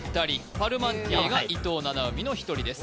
パルマンティエが伊藤七海の１人です